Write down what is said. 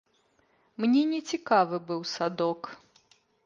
Мне нецікавы быў садок.